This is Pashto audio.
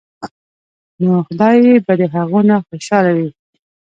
نو خدائے به د هغو نه خوشاله وي ـ